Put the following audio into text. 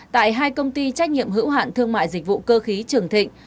tại hai công ty trách nhiệm hữu hạn thương mại dịch vụ cơ khí trường thịnh